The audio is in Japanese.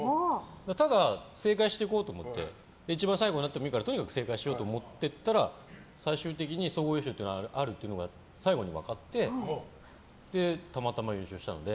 ただ、正解していこうと思って一番最後になってもいいからとにかく正解していこうって思ってやってたら最終的に総合優勝っていうのがあるって最後に分かってたまたま優勝したので。